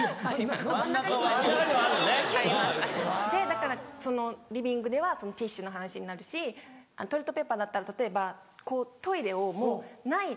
だからそのリビングではティッシュの話になるしトイレットペッパーだったら例えばトイレを「もうない」。